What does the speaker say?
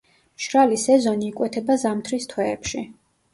მშრალი სეზონი იკვეთება ზამთრის თვეებში.